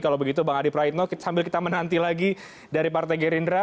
kalau begitu bang adi praitno sambil kita menanti lagi dari partai gerindra